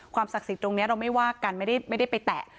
ศักดิ์สิทธิ์ตรงนี้เราไม่ว่ากันไม่ได้ไปแตะ